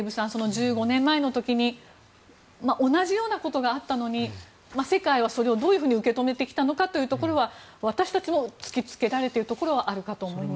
１５年前の時に同じようなことがあったのに世界はそれをどういうふうに受け止めてきたのかというところは私たちも突き付けられているところはあるかと思います。